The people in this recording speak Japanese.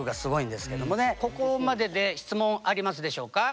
ここまでで質問ありますでしょうか？